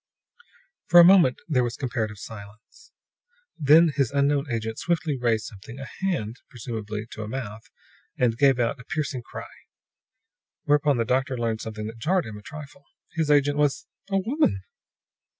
For a moment there was comparative silence. Then his unknown agent swiftly raised something a hand, presumably to a mouth, and gave out a piercing cry. Whereupon the doctor learned something that jarred him a trifle. His agent was a woman!